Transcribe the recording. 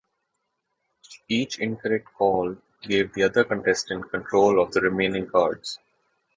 Each incorrect call gave the other contestant control of the remaining cards.